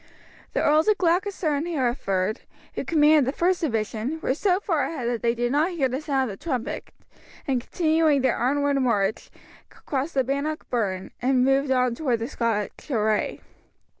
The Earls of Gloucester and Hereford, who commanded the first division, were so far ahead that they did not hear the sound of the trumpet, and continuing their onward march crossed the Bannock Burn and moved on toward the Scotch array.